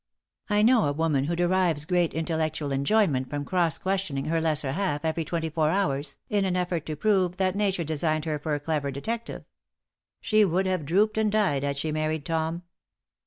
I know a woman who derives great intellectual enjoyment from cross questioning her lesser half every twenty four hours in an effort to prove that nature designed her for a clever detective. She would have drooped and died had she married Tom.